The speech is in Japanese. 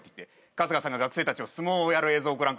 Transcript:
春日さんが学生たちと相撲をやる映像をご覧くださいって。